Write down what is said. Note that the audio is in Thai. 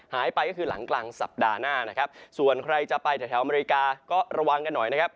หายไปก็คือหลังกลางสัปดาห์หน้านะครับส่วนใครจะไปแถวอเมริกาก็ระวังกันหน่อยนะครับ